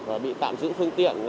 và bị tạm giữ phương tiện